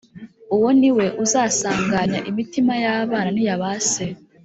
Uwo ni we uzasanganya imitima y’abana n’iya ba se